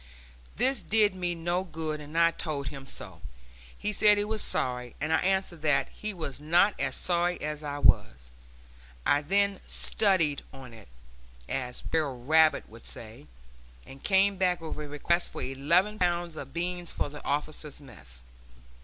This did me no good, and I told him so. He said he was sorry, and I answered that he was not as sorry as I was. I then "studied on it," as Br'r Rabbit would say, and came back with a request for eleven hundred pounds of beans for the officers' mess.